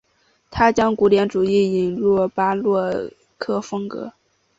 他将古典主义引入巴洛克风格。